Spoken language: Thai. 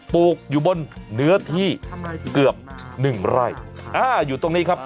ปลูกอยู่บนเนื้อที่เกือบหนึ่งไร่อ่าอยู่ตรงนี้ครับ